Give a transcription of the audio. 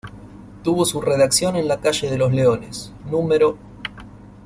Tuvo su redacción en la calle de los Leones, núm.